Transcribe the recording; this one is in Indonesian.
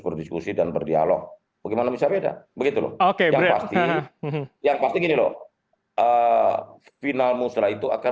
berdiskusi dan berdialog bagaimana bisa beda begitu loh oke yang pasti yang pasti gini loh final musrah itu akan